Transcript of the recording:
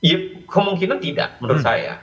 ya kemungkinan tidak menurut saya